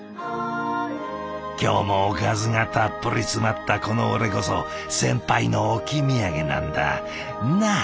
今日もおかずがたっぷり詰まったこの俺こそ先輩の置き土産なんだ。なあ！